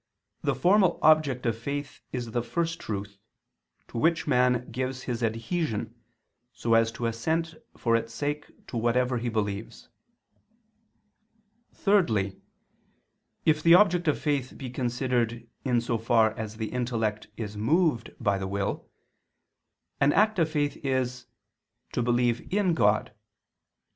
the formal object of faith is the First Truth, to Which man gives his adhesion, so as to assent for Its sake to whatever he believes. Thirdly, if the object of faith be considered in so far as the intellect is moved by the will, an act of faith is "to believe in God."